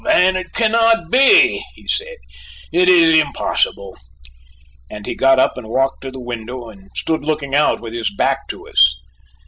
Van, it cannot be," he said, "it is impossible," and he got up and walked to the window and stood looking out with his back to us.